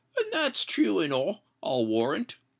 and that's true enow, I'll warrant!"